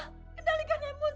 kendalikan emosi papa